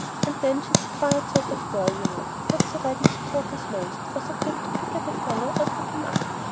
And then she's a quiet sort of girl, you know, not so ready at talk as most, or so quick to pick at a fellow or trip him up.